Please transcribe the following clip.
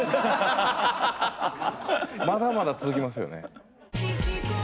まだまだ続きますよね？